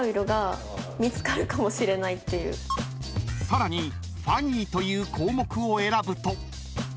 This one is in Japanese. ［さらにファニーという項目を選ぶと］